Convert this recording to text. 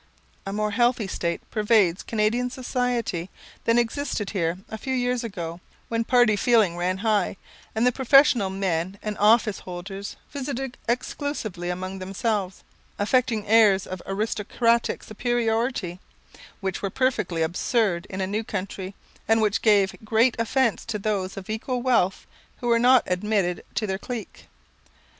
A more healthy state pervades Canadian society than existed here a few years ago, when party feeling ran high, and the professional men and office holders visited exclusively among themselves, affecting airs of aristocratic superiority, which were perfectly absurd in a new country, and which gave great offence to those of equal wealth who were not admitted into their clique.